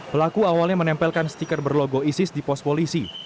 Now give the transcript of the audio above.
pelaku awalnya menempelkan stiker berlogo isis di pos polisi